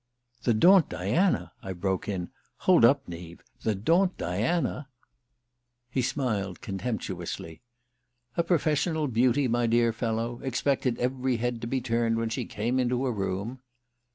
"The Daunt Diana!" I broke in. "Hold up, Neave the Daunt Diana?" He smiled contemptuously. "A professional beauty, my dear fellow expected every head to be turned when she came into a room."